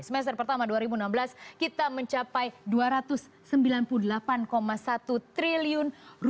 semester pertama dua ribu enam belas kita mencapai rp dua ratus sembilan puluh delapan satu triliun